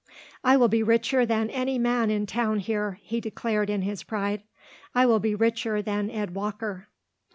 "I will be richer than any man in town here," he declared in his pride. "I will be richer than Ed Walker."